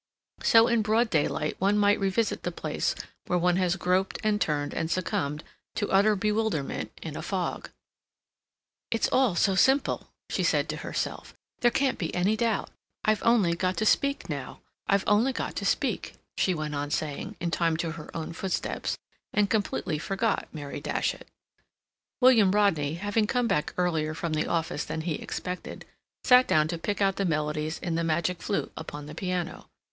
So in broad daylight one might revisit the place where one has groped and turned and succumbed to utter bewilderment in a fog. "It's all so simple," she said to herself. "There can't be any doubt. I've only got to speak now. I've only got to speak," she went on saying, in time to her own footsteps, and completely forgot Mary Datchet. William Rodney, having come back earlier from the office than he expected, sat down to pick out the melodies in "The Magic Flute" upon the piano.